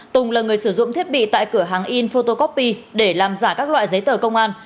tùng là người sử dụng thiết bị tại cửa hàng in photocopy để làm giả các loại giấy tờ công an